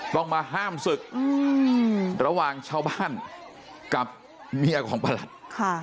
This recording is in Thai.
ต้องมาห้ามศึกระหว่างชาวบ้านกับเมียของประหลัด